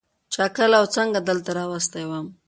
چا کله او څنگه دلته راوستى وم.